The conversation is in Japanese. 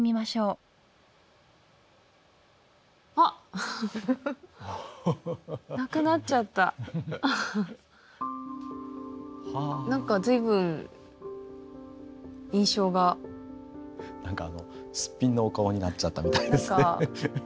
何かあのすっぴんのお顔になっちゃったみたいですね。